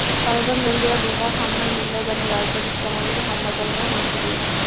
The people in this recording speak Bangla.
তালেবান জঙ্গিরা বিমান হামলার নিন্দা জানিয়ে রাজধানী ইসলামাবাদে হামলা চালানোর হুমকি দিয়েছে।